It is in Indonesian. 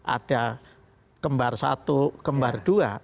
ada kembar satu kembar dua